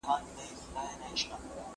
لکه برېښنا هسي د ژوند پر مزار وځلېده